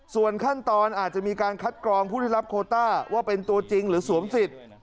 ส่วนขั้นตอนอาจจะมีการคัดกรองผู้ได้รับโคต้าว่าเป็นตัวจริงหรือสวมสิทธิ์